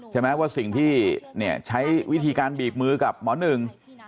ใช่ไหมว่าสิ่งที่ใช้วิธีการบีบมือกับหมอหนึ่ง